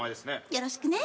よろしくね。